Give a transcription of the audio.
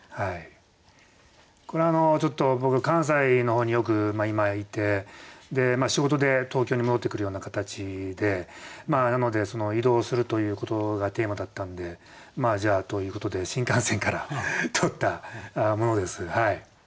これちょっと僕関西の方によく今いて仕事で東京に戻ってくるような形でなので移動するということがテーマだったんでじゃあということで新幹線から撮ったものです。